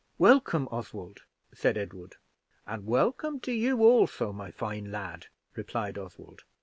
"Welcome, Oswald," said Edward. "And welcome to you also, my fine lad," replied Oswald.